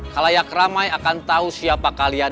kalauyak ramai akan tahu siapa kalian